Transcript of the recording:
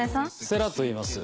星来といいます。